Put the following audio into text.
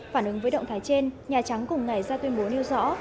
phản ứng với động thái trên nhà trắng cùng ngày ra tuyên bố nêu rõ